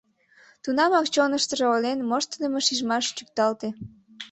Тунамак чоныштыжо ойлен моштыдымо шижмаш чӱкталте.